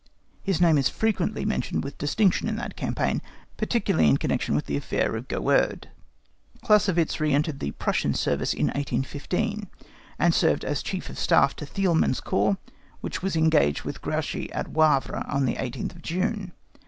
His name is frequently mentioned with distinction in that campaign, particularly in connection with the affair of Goehrde. Clausewitz re entered the Prussian service in 1815, and served as Chief of the Staff to Thielman's corps, which was engaged with Grouchy at Wavre, on the 18th of June.